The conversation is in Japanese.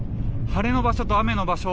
晴れの場所と雨の場所